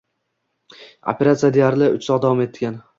Operatsiya deyarli uch soat davom etgan.